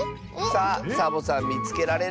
さあサボさんみつけられる？